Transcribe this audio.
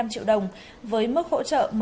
hai trăm năm mươi năm triệu đồng với mức hỗ trợ